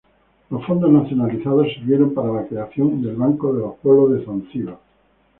Los fondos nacionalizados sirvieron para la creación del Banco de los Pueblos de Zanzíbar.